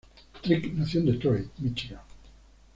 Trick nació en Detroit, Míchigan.